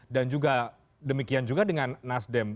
dan juga demikian juga dengan nasdem